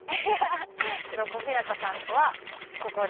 小日向さんとはここで。